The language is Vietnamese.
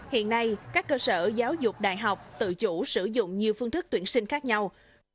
hiện nay các cơ sở giáo dục đại học tự chủ sử dụng nhiều phương thức tuyển sinh khác nhau